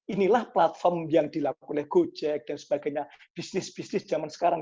inilah platform yang dilakukan oleh gojek dan sebagainya bisnis bisnis zaman sekarang